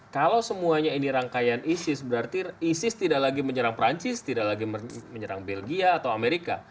kalau semuanya ini rangkaian isis berarti isis tidak lagi menyerang perancis tidak lagi menyerang belgia atau amerika